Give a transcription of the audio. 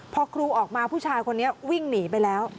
พอครูออกมาผู้ชายคนนี้วิ่งหนีไปแล้ว